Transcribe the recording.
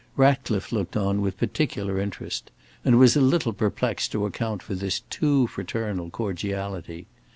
Ratcliffe looked on with particular interest and was a little perplexed to account for this too fraternal cordiality.